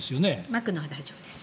まくのは大丈夫です。